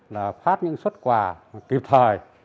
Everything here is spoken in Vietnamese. là phát những xuất quà kịp thời